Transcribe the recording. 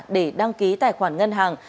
để đăng ký tài khoản ngân hàng